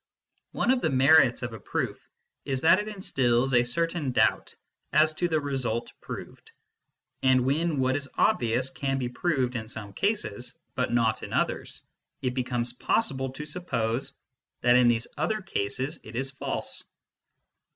One of the merits of a proof is that it instils a certain doubt as to the result proved ; and when what is obvious can be proved in some cases, but not in others, it becomes possible to sup pose that in these other cases it is false.